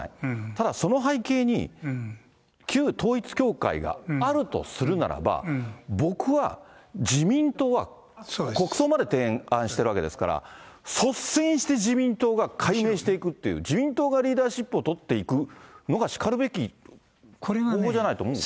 ただ、その背景に、旧統一教会があるとするならば、僕は自民党は国葬まで提案してるわけですから、率先して自民党が解明していくっていう、自民党がリーダーシップを取っていくのが、しかるべき方法じゃないかと思う。